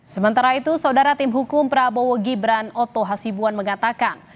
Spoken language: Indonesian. sementara itu saudara tim hukum prabowo gibran oto hasibuan mengatakan